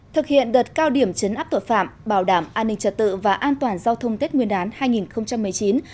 thực hiện đợt cao điểm chấn áp tội phạm bảo đảm an ninh trật tự và an toàn giao thông tết nguyên đán hai nghìn một mươi chín